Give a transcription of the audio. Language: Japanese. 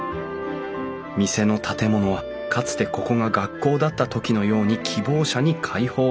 店の建物はかつてここが学校だった時のように希望者に開放。